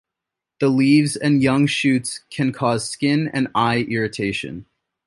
The leaves and young shoots can cause skin and eye irritation.